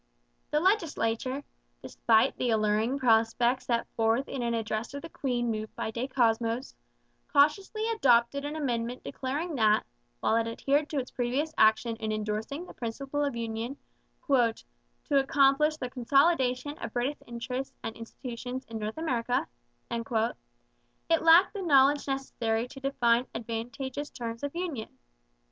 The legislature, despite the alluring prospect set forth in an address to the Queen moved by DeCosmos, cautiously adopted an amendment declaring that, while it adhered to its previous action in endorsing the principle of union 'to accomplish the consolidation of British interests and institutions in North America,' it lacked the knowledge necessary to define advantageous terms of union.